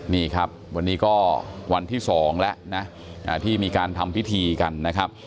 นี่ครับวันนี้ก็วันที่๒แล้วนะที่มีการทำพิธีกันนะครับ